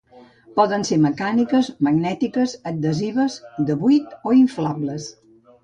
Poden ser mecàniques, magnètiques, adhesives, de buit o inflables.